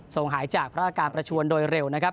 หายจากพระอาการประชวนโดยเร็วนะครับ